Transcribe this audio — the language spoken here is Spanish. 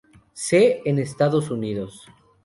C en Estados Unidos.